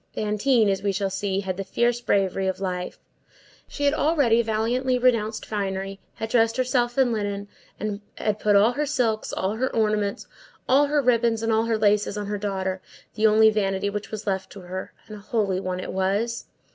Fantine, as we shall see, had the fierce bravery of life. She had already valiantly renounced finery, had dressed herself in linen, and had put all her silks, all her ornaments, all her ribbons, and all her laces on her daughter, the only vanity which was left to her, and a holy one it was.